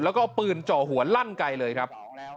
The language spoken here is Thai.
แล้วก็เอาปืนเจาะหัวลั่นไกลเลยครับ